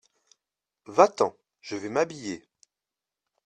Va-t'en, je vais m'habiller.